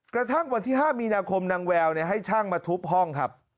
กระทั่งวันที่๕มีนาคมนางแววให้ช่างมาทุบห้องครับ